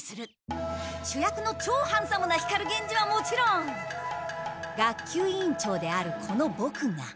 主役のちょうハンサムな光源氏はもちろん学級委員長であるこのボクが。